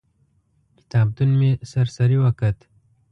کتابتون مې سر سري وکت.